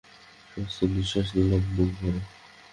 স্বস্তির নিশ্বাস নিলাম বুক ভরে।